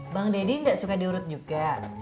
bang deddy gak suka diurut juga